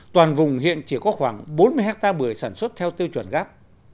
toàn vùng hiện chỉ có khoảng bốn mươi hectare bưởi sản xuất theo tiêu chuẩn gáp